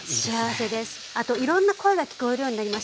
あといろんな声が聞こえるようになりました。